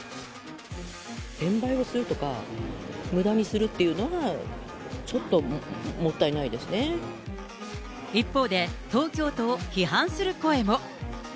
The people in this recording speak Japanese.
転売をするとか、むだにするっていうのは、一方で、東京都を批判する声も。